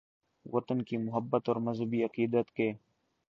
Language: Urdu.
، وطن کی محبت اور مذہبی عقیدت کے